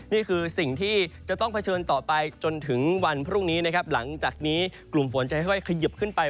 นี่คือสิ่งที่จะต้องเผชิญต่อไปจนถึงวันพรุ่งนี้นะครับหลังจากนี้กลุ่มฝนจะค่อยขยิบขึ้นไป